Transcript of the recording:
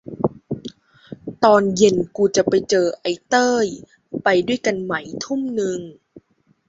ตอนเย็นกูจะไปเจอไอ้เต้ย ไปด้วยกันไหม ทุ่มนึง